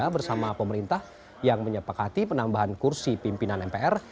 bersama pemerintah yang menyepakati penambahan kursi pimpinan mpr